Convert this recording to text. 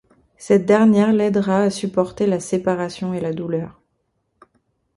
Cette dernière l'aidera à supporter la séparation et la douleur.